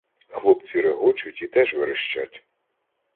Хлопці регочуть і теж верещать.